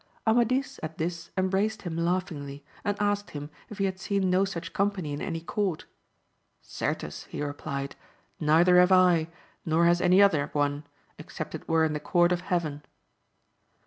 Amadis at this embraced him laughingly, and asked him if he had seen no such company in any court ? Certes, he replied, neither have I, nor has any other one, except it were in the Court of Heaven.